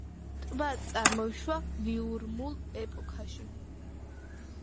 ტბა წარმოიშვა ვიურმულ ეპოქაში.